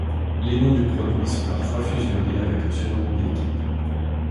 Les noms du produit sont parfois fusionnés avec le surnom de l'équipe.